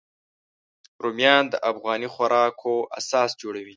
رومیان د افغاني خوراکو اساس جوړوي